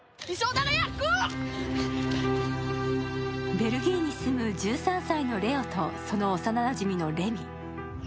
ベルギーに住む１３歳のレオとその幼なじみのレミ。